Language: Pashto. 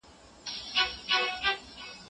د پزې شاوخوا سیمې ډېرې خطرناکې دي.